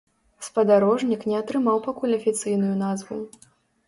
Спадарожнік не атрымаў пакуль афіцыйную назву.